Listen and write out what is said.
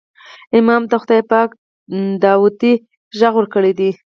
امام ته خدای پاک داودي غږ ورکړی و.